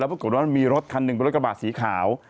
แล้วปรากฏว่ามีรถคันหนึ่งรถกระบาดสีขาว